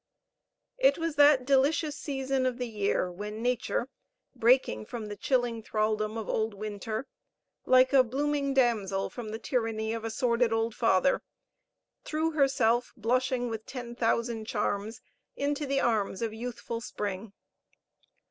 It was that delicious season of the year when Nature, breaking from the chilling thraldom of old winter, like a blooming damsel from the tyranny of a sordid old father, threw herself, blushing with ten thousand charms, into the arms of youthful Spring.